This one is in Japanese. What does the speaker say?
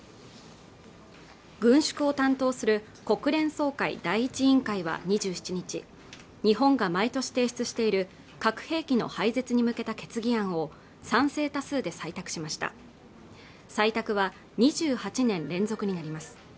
軍縮を担当する国連総会第１委員会は２７日日本が毎年提出している核兵器の廃絶に向けた決議案を賛成多数で採択しました採択は２８年連続になります